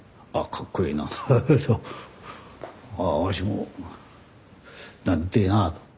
ああわしもなりてえなと。